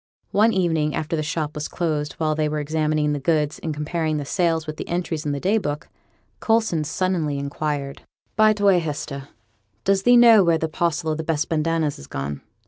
One evening after the shop was closed, while they were examining the goods, and comparing the sales with the entries in the day book, Coulson suddenly inquired 'By the way, Hester, does thee know where the parcel of best bandanas is gone?